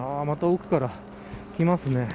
また奥からきますね。